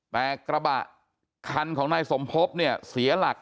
แต่กระบะคันของนายสมภพเนี่ยเสียหลัก